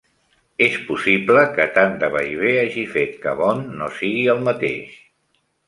És possible que tant de vaivé hagi fet que Bond no sigui el mateix.